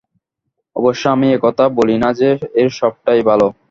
অবশ্য আমি এ-কথা বলি না যে, এর সবটাই ভাল।